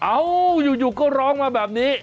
เอ้าอยู่ก็ร้องมาแบบนี้